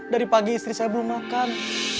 dari pagi istri saya belum makan